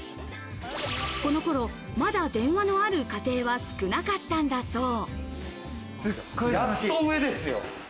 この頃、まだ電話のある家庭は少なかったんだそう。